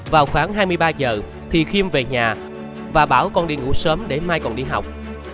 vào khoảng hai mươi ba giờ thì khiêm về nhà và bảo con đi ngủ sớm để mai còn đi học